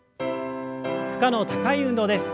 負荷の高い運動です。